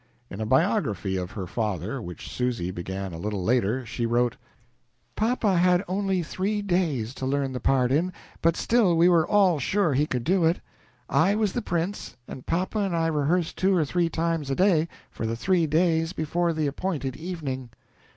In a "biography" of her father which Susy began a little later, she wrote: "Papa had only three days to learn the part in, but still we were all sure he could do it .... I was the prince, and Papa and I rehearsed two or three times a day for the three days before the appointed evening.